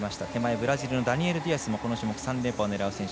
ブラジルのダニエル・ディアスもこの種目３連覇を狙う選手。